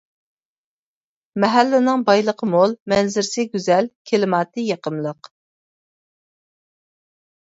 مەھەللىنىڭ بايلىقى مول، مەنزىرىسى گۈزەل، كىلىماتى يېقىملىق.